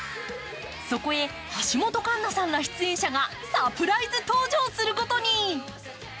そこへ橋本環奈さんら出演者がサプライズ登場することに。